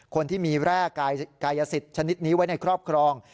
คนที่มีแร่กายสิทธิ์ชนิดนี้ไว้ในครอบครอง